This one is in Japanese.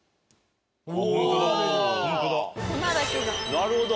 なるほど。